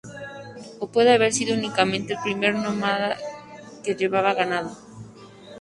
O puede haber sido únicamente el primer nómada que llevaba ganado.